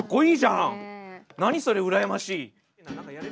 何それ羨ましい！